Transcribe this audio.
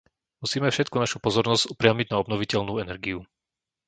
Musíme všetku našu pozornosť upriamiť na obnoviteľnú energiu.